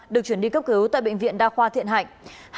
được chuyển đi cấp cứu tại bệnh viện đa khoa thiện hạnh